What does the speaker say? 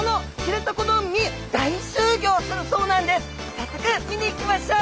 早速見に行きましょう！